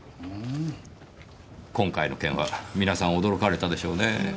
今回の件は皆さん驚かれたでしょうねぇ。